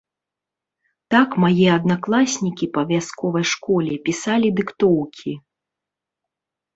Так мае аднакласнікі па вясковай школе пісалі дыктоўкі.